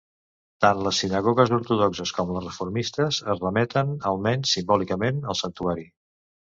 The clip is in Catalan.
Tant les sinagogues ortodoxes com les reformistes es remeten, almenys simbòlicament, al santuari.